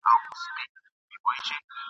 ډوډۍ که پردۍ وه ګیډه خو دي خپله وه ..